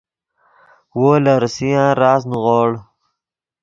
وو لے ریسیان راست نیغوڑ